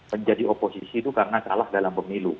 menjadi oposisi itu karena kalah dalam pemilu